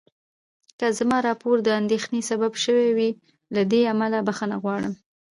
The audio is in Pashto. که زما راپور د اندېښنې سبب شوی وي، له دې امله بخښنه غواړم.